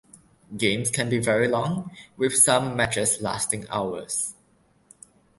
Games can be very long, with some matches lasting hours.